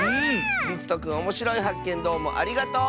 りつとくんおもしろいはっけんどうもありがとう！